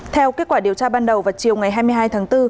theo kết quả điều tra ban đầu vào chiều ngày hai mươi hai tháng bốn